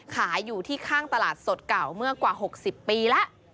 ขายอยู่ที่ข้างตลาดสดเก่าเมื่อกว่า๖๐ปีแล้ว